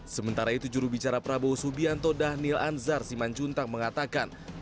sementara itu jurubicara prabowo subianto dhanil anzar simanjuntang mengatakan